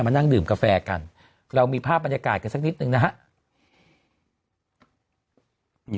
นั่งดื่มกาแฟกันเรามีภาพบรรยากาศกันสักนิดนึงนะครับ